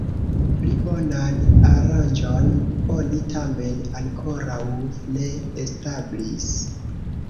Pli bonan aranĝon oni tamen ankoraŭ ne establis.